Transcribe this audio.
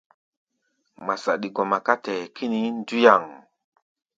Ŋma saɗi gɔma ká tɛ-ɛ́ɛ́ kínií nduyaŋ.